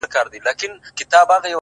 جانان ارمان د هره یو انسان دی والله-